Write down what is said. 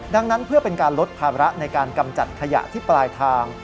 ดังนั้นเพื่อเป็นการลดภาระในการกำจัดขยะที่ปลายทาง